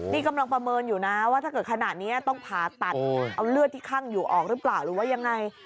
นี่กำลังประเมินอยู่นะว่าถ้าเกิดขนาดนี้ต้องผ่าตัดเอาเลือดที่คั่งอยู่ออกหรือเปล่าหรือว่ายังไง